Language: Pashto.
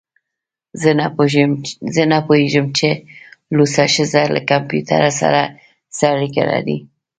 زه نه پوهیږم چې لوڅه ښځه له کمپیوټر سره څه اړیکه لري